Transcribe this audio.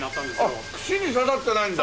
あっ串に刺さってないんだ。